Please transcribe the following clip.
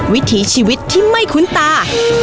วิถีชีวิตที่ไม่คุ้นตา